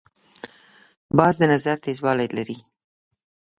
باز د نظر تیزوالی لري